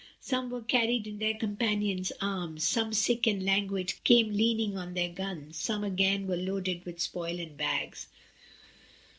Some were carried in their companions' arms, some sick and languid came leaning on their guns, some again were loaded with spoil and bags.